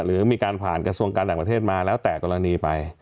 หรือมีการผ่านกระทรวงการต่างประเทศมาแล้วแต่กรณีไป